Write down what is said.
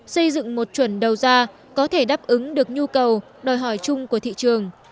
xây dựng một chuẩn đầu ra có thể đáp ứng được nhu cầu đòi hỏi chung của thị trường